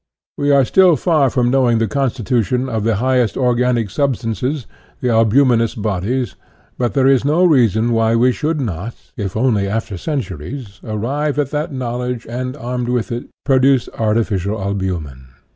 We are still far from knowing the 22 INTRODUCTION constitution of the highest organic substances, the albuminous bodies; but there is no reason why we should not, if only after centuries, ar rive at that knowledge and, armed with it, pro duce artificial albumen.